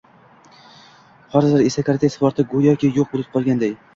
Hozir esa karate sporti goʻyoki yoʻq boʻlib qolganday.